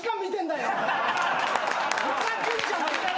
ふざけんじゃねえよ！